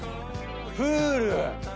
プール！